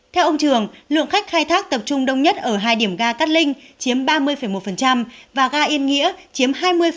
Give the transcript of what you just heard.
theo ông trường lượng khách khai thác tập trung đông nhất ở hai điểm ga cát linh chiếm ba mươi một và ga yên nghĩa chiếm hai mươi